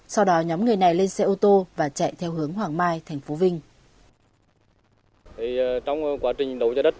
sau đó nhóm người này lên xe ô tô và chạy theo hướng hoàng mai tp vinh